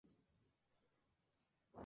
Igualmente es una leyenda.